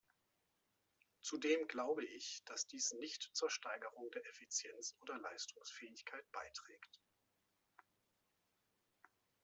Zudem glaube ich, dass dies nicht zur Steigerung der Effizienz oder Leistungsfähigkeit beiträgt.